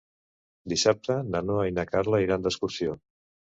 Dissabte na Noa i na Carla iran d'excursió.